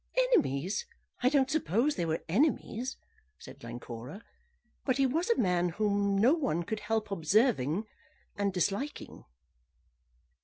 "Enemies! I don't suppose they were enemies," said Glencora. "But he was a man whom no one could help observing, and disliking."